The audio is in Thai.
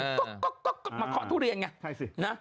ก๊อกก๊อกก๊อกก๊อกมาเคาะทุเรียนไงใช่สินะ